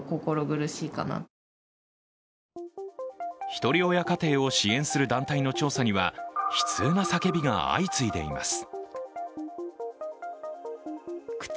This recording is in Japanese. ひとり親家庭を支援する団体の調査には悲痛な叫びが相次いでいます。